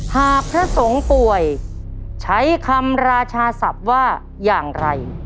พระสงฆ์ป่วยใช้คำราชาศัพท์ว่าอย่างไร